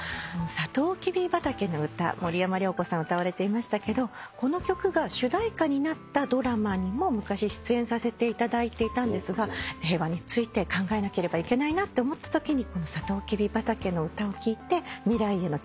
『さとうきび畑』森山良子さん歌われていましたけどこの曲が主題歌になったドラマにも昔出演させていただいたんですが平和について考えなければいけないなと思ったときにこの『さとうきび畑』を聴いて未来への希望をもらった。